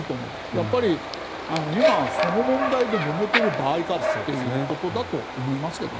やっぱり今、その問題でもめている場合かっていうことだと思いますけど。